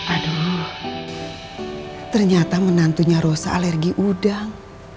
aduh ternyata menantunya rosa alergi udang